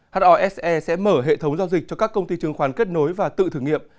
hose sẽ mở hệ thống giao dịch cho các công ty chứng khoán kết nối và tự thử nghiệm